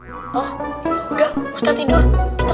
hah udah ustad tidur kita ke atas aja